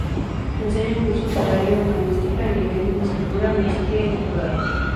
Enseña cursos del área humanística, a nivel licenciatura, maestría y doctorado.